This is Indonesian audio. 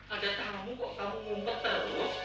ada tamu kok kamu ngumpet terus